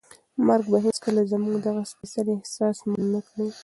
مرګ به هیڅکله زموږ دغه سپېڅلی احساس مړ نه کړي.